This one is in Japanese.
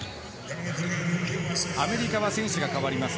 アメリカは選手が代わります。